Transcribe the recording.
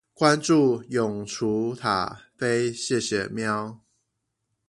關註永雛塔菲謝謝喵